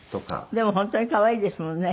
でも本当に可愛いですもんね。